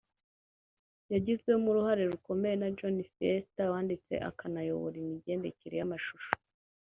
yagizwemo uruhare rukomeye na John Feist wanditse akanayobora imigendekere y’amashusho